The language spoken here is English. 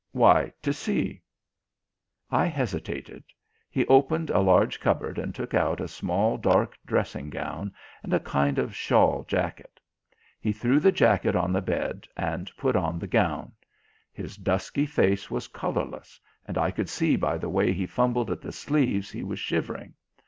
"Why, to see." I hesitated. He opened a large cupboard and took out a small dark dressing gown and a kind of shawl jacket. He threw the jacket on the bed and put on the gown. His dusky face was colourless, and I could see by the way he fumbled at the sleeves he was shivering.